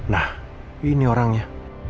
nah ini orangnya